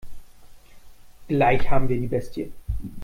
Gleich haben wir die Bestie.